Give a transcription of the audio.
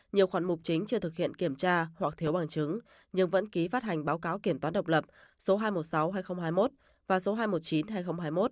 nhiều khoản mục chính chưa thực hiện kiểm tra hoặc thiếu bằng chứng nhưng vẫn ký phát hành báo cáo kiểm toán độc lập số hai trăm một mươi sáu hai nghìn hai mươi một và số hai trăm một mươi chín hai nghìn hai mươi một